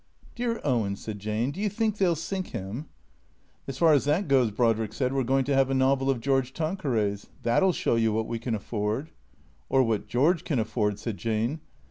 "Dear Owen/' said Jane, "do you think they'll sink him?" " As far as that goes," Brodrick said, " we 're going to have a novel of George Tanqueray's. That '11 show you what we can afford." " Or what George can afford," said Jane.